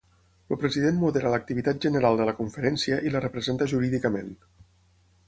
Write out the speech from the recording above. El President modera l'activitat general de la conferència i la representa jurídicament.